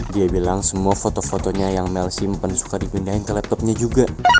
dia bilang semua foto fotonya yang mel simpen suka dipindahin ke laptopnya juga